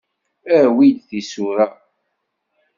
Awi-d tisura.